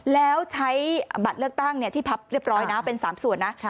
แล้วใช้บัตรเลือกตั้งที่พับเรียบร้อยนะเป็น๓ส่วนนะ